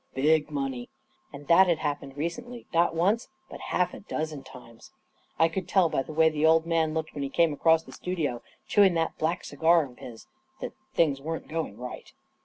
Big money. And that had happened recently not once, but half a dozen times. I could tell by the way th| old man looked when he came across to the studio chewing that Black cigar of his that things weren't going right.